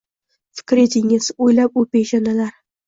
Fikr etingiz, o‘ylab u peshonalar